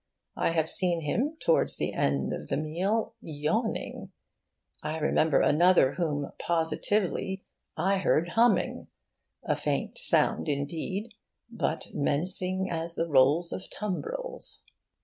I have seen him, towards the end of the meal, yawning. I remember another whom, positively, I heard humming a faint sound indeed, but menacing as the roll of tumbrils.